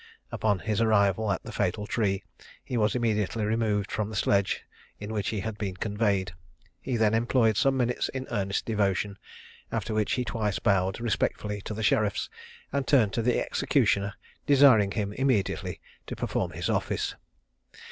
Upon his arrival at the fatal tree he was immediately removed from the sledge in which he had been conveyed. He then employed some minutes in earnest devotion; after which he twice bowed respectfully to the sheriffs, and turned to the executioner, desiring him immediately to perform his office.